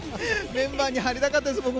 メンバーに入りたかったです